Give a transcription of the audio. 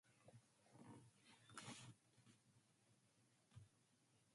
Every May, Ridgely hosts the Strawberry Festival to celebrate its past.